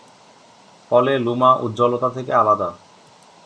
ফলে লুমা উজ্জ্বলতা থেকে আলাদা।